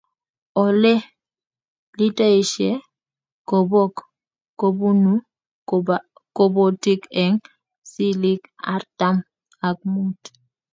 Olee litaishe bokol kobunuu kabotiik eng siling artam ak muut.